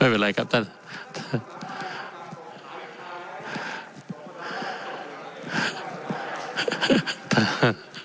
ไม่เป็นไรครับท่าน